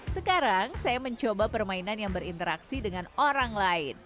sekarang saya mencoba permainan yang berinteraksi dengan orang lain